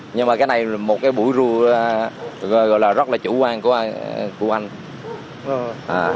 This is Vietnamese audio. nhưng mà cái này là một cái bụi rùa gọi là rất là chủ quan của anh